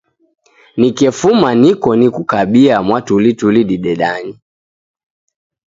Nikefuma niko nikukabia mwatulituli didedanye.